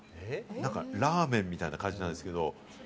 なんかラーメンみたいな感じなんですけど。